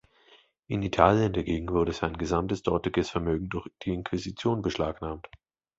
In Italien dagegen wurde sein gesamtes dortiges Vermögen durch die Inquisition beschlagnahmt.